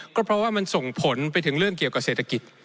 ก็เพราะว่ามันส่งผลไปถึงเรื่องเกี่ยวกับเศรษฐกิจ